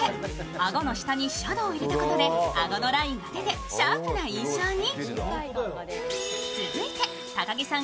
アゴの下にシャドーを入れたことでアゴのラインが出てシャープな印象に。